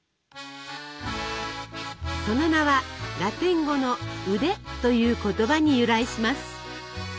その名はラテン語の「腕」という言葉に由来します。